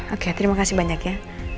oke terima kasih banyak ya